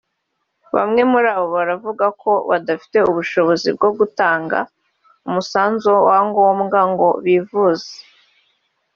Bamwe muri abo baravuga ko badafite ubushobozi bwo gutanga umusanzu wa ngombwa ngo bivuze